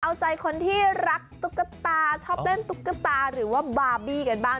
เอาใจคนที่รักตุ๊กตาชอบเล่นตุ๊กตาหรือว่าบาร์บี้กันบ้าง